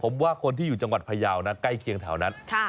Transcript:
ผมว่าคนที่อยู่จังหวัดพยาวนะใกล้เคียงแถวนั้น